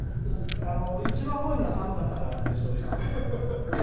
一番多いのは寒かったからって人が多いですよね。